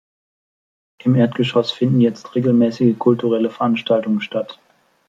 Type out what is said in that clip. Im Erdgeschoss finden jetzt regelmäßige kulturelle Veranstaltungen statt.